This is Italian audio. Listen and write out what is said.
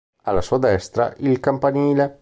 Alla sua destra, il campanile.